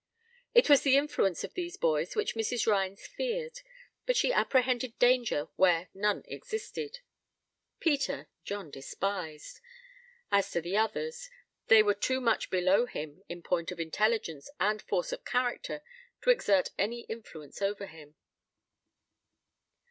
It was the influence of these boys which Mrs. Rhines feared; but she apprehended danger where none existed. Peter, John despised: as to the others, they were too much below him in point of intelligence and force of character to exert any influence over him.